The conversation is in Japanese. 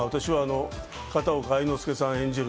私は片岡愛之助さん演じる